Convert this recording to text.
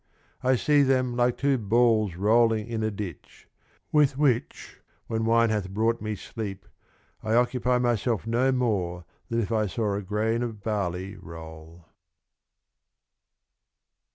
I see them like two Balls rolling in a Ditch ; with which, when Wine hath brought me Sleep, I occupy myself no more than if I saw a Grain of Barley roll.